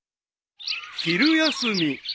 ［昼休み］